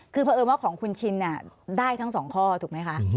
คือเพราะเอิญว่าของคุณชินได้ทั้งสองข้อถูกไหมคะ